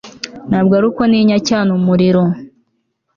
Ntabwo ari uko ntinya cyane umuriro